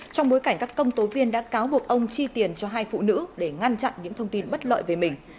trong bối cảnh các công tố viên đã cáo buộc ông chi tiền cho hai phụ nữ để ngăn chặn những thông tin bất lợi về mình